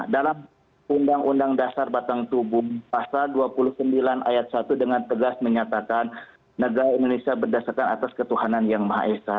dalam undang undang dasar batang tubuh pasal dua puluh sembilan ayat satu dengan tegas menyatakan negara indonesia berdasarkan atas ketuhanan yang maha esa